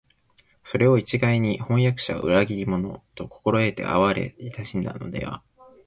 それを一概に「飜訳者は裏切り者」と心得て畏れ謹しんだのでは、